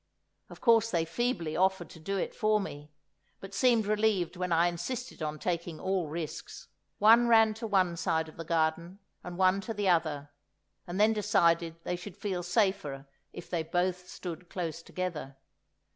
Of course they feebly offered to do it for me, but seemed relieved when I insisted on taking all risks; one ran to one side of the garden and one to the other, and then decided they should feel safer if they both stood close together.